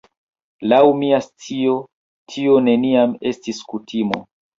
Laŭ mia scio tio neniam estis la kutimo.